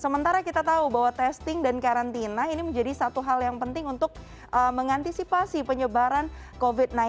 sementara kita tahu bahwa testing dan karantina ini menjadi satu hal yang penting untuk mengantisipasi penyebaran covid sembilan belas